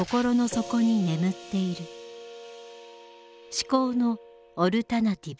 「思考のオルタナティブ」。